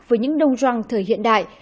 với những đông răng thời hiện đại